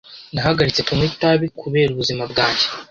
Nahagaritse kunywa itabi kubera ubuzima bwanjye.